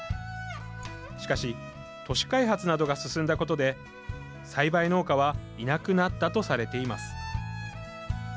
しかし、都市開発などが進んだことで栽培農家はいなくなったとされています。